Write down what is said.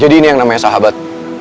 jadi ini yang namanya sahabat